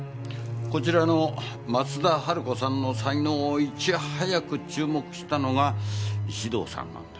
こちらの松田春子さんの才能をいち早く注目したのが石堂さんなんで。